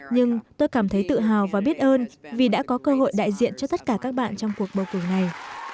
nhưng tôi cảm thấy tự hào và biết ơn vì đã có cơ hội đại diện cho tất cả các bạn trong cuộc bầu cử này